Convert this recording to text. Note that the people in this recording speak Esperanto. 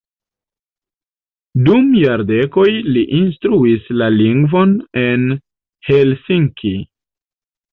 Dum jardekoj li instruis la lingvon en Helsinki.